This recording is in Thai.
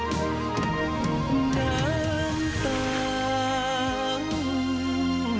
ตามแสงตาลืมใจพี่รัวรัก